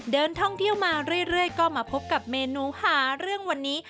เดินท่องเที่ยวมาเรื่อยก็มาพบกับเมนูหาเรื่องวันนี้